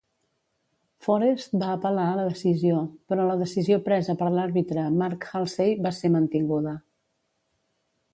Forest va apel·lar la decisió, però la decisió presa per l'àrbitre Mark Halsey va ser mantinguda.